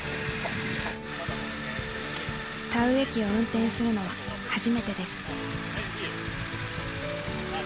田植え機を運転するのは初めてです。